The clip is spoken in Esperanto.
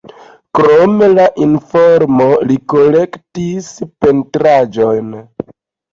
Krom la informo li kolektis pentraĵojn.